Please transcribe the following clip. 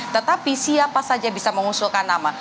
tetapi siapa saja bisa mengusulkan nama